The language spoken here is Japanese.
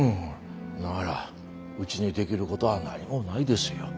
ならうちにできることは何もないですよ。